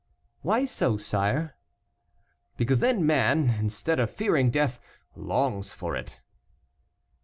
"Why so, sire?" "Because then man, instead of fearing death, longs for it."